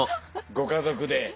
ご家族で。